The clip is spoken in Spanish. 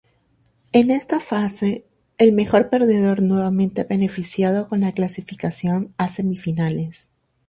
En esta fase, el mejor perdedor nuevamente es beneficiado con la clasificación a Semifinales.